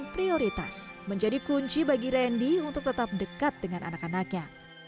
dan prioritas menjadi kunci bagi randy untuk tetap dekat dengan anak anaknya